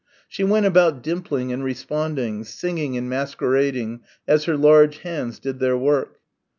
She went about dimpling and responding, singing and masquerading as her large hands did their work.